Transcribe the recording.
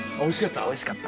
おいしかった？